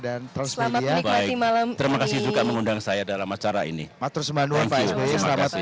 dan transmedia terima kasih juga mengundang saya dalam acara ini matur sembanua pak sby selamat